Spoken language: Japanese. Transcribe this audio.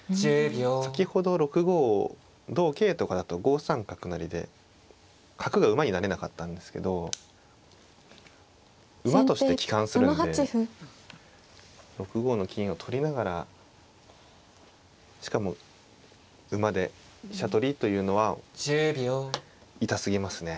先ほど６五同桂とかだと５三角成で角が馬に成れなかったんですけど馬として帰還するんで６五の金を取りながらしかも馬で飛車取りというのは痛すぎますね。